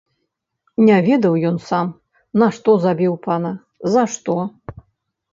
Не ведаў ён сам, нашто забіў пана, за што.